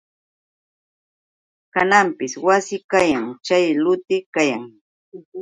Kananpis wasi kayan chay luti kayan.